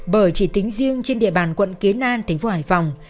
bởi chỉ tính riêng trên địa bàn quận kiến an tp hải phòng